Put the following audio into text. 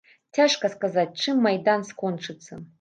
Цяжка сказаць, чым майдан скончыцца.